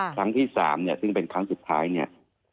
ครั้งที่๓ซึ่งเป็นครั้งสุดท้าย